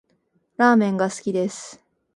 ラーメンが好きです